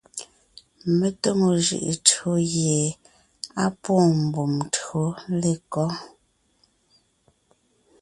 Mé tóŋo jʉʼʉ tÿǒ gie á pwóon mbùm tÿǒ lekɔ́?